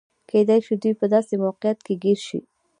کېدای شي دوی په داسې موقعیت کې ګیر شي.